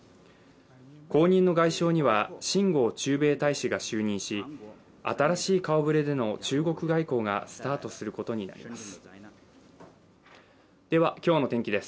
後任の外相には秦剛駐米大使が就任し新しい顔ぶれでの中国外交がスタートすることになります。